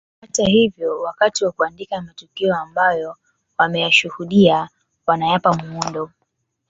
Hata hivyo wakati wa kuandika matukio ambayo wameyashuhudia wanayapa muundo